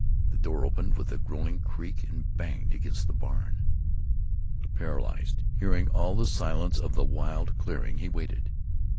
The door opened with a groaning creek and banged against the barn. Paralyzed, hearing all the silence of the wild clearing, he waited.